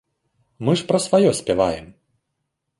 Мы ж пра сваё спяваем.